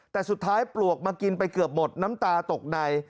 แต่สุดท้ายปลวกมากินไปเกือบหมดน้ำตาตกใน